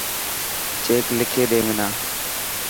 چيڪ لکي ڏي منا.